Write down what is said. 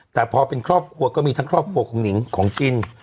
แต่พอเป็นครอบครัวก็มีทั้งครอบครัวของหนิงของจิน